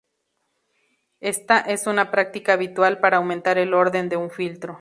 Esta es una práctica habitual para aumentar el orden de un filtro.